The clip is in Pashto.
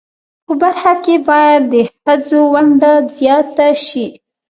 په برخه کښی باید د خځو ونډه ځیاته شی